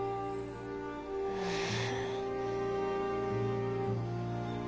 うん。